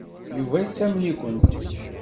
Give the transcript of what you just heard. Yuba yettamen-ikent.